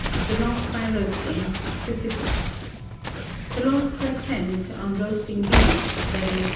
The Loss by Roasting (Specific). The loss per cent, on roasting beef, viz.